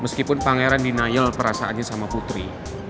meskipun pangeran denial perasaannya sama putri